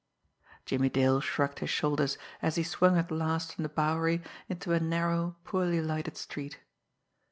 Jimmie Dale shrugged his shoulders, as he swung at last from the Bowery into a narrow, poorly lighted street.